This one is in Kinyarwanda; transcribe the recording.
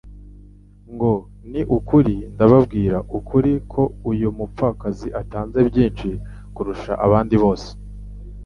ngo : «Ni ukuri ndababwira ukuri ko uyu mupfakazi atanze byinshi kurusha abandi bose.»